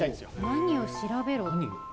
何を調べろ？